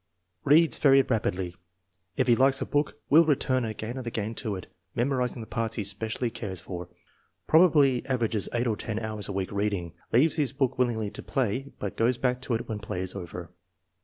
" Reads very rapidly. If he likes a book will return again and again to it, memorizing the parts he specially cares for. Probably averages eight or ten hours a week reading. Leaves his book willingly to play, but goes back to it when play is over.